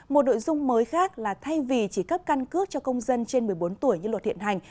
một nội dung mới khác là thay vì chỉ cấp căn cước cho công dân trên một mươi bốn tuổi như luật hiện hành